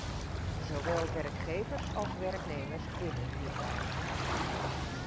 Zowel werkgevers als werknemers winnen hierbij.